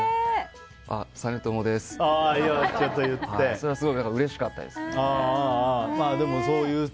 それはすごいうれしかったです。